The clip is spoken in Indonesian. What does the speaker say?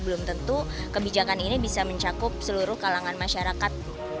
belum tentu kebijakan ini bisa mencakup seluruh kalangan masyarakat